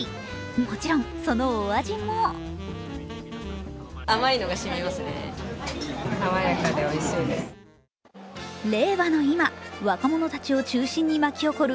もちろん、そのお味も令和の今、若者たちを中心に巻き起こる